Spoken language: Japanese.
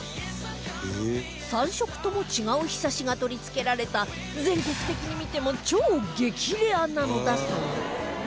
３色とも違う庇が取り付けられた全国的に見ても超激レアなのだそう